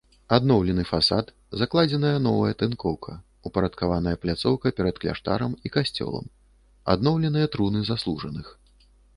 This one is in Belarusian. Адноўлены фасад, закладзеная новая тынкоўка, упарадкаваная пляцоўка перад кляштарам і касцёлам, адноўленыя труны заслужаных.